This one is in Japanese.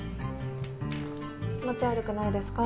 気持ち悪くないですか？